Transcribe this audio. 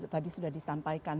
tadi sudah disampaikan